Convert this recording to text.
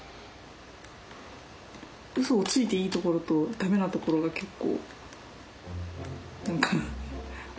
うそをついていいところと駄目なところが結構何かあるので。